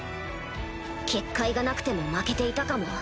結界がなくても負けていたかも